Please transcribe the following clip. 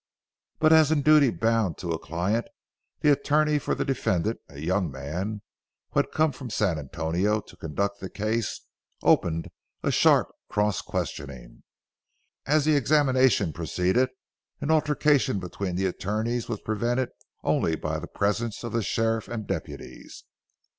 But as in duty bound to a client, the attorney for the defendant, a young man who had come from San Antonio to conduct the case, opened a sharp cross questioning. As the examination proceeded, an altercation between the attorneys was prevented only by the presence of the sheriff and deputies.